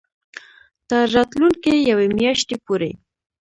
تر راتلونکې یوې میاشتې پورې